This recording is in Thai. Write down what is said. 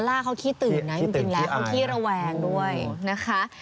ล่าเขาขี้ตื่นนะจริงแล้วเขาขี้ระแวงด้วยนะคะ